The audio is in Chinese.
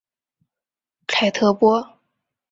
凯特波。